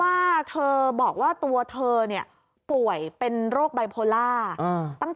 ว่าเธอบอกว่าตัวเธอเนี่ยป่วยเป็นโรคไบโพล่าตั้งแต่